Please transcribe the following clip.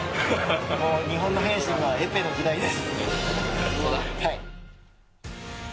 もう日本のフェンシングはエペの時代です。